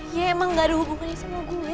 ya emang gak ada hubungannya sama gue